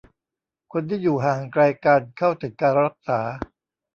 คนที่อยู่ห่างไกลการเข้าถึงการรักษา